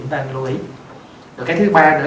nên lưu ý rồi cái thứ ba nữa